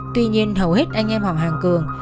tuy nhiên hầu hết anh em họ hàng cường